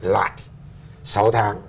lại sáu tháng